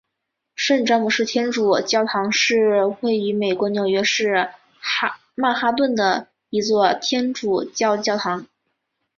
圣詹姆士天主教堂是位于美国纽约市下曼哈顿的一座天主教教堂。